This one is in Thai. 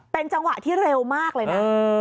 เป็นจังหวะที่เร็วมากเลยนะ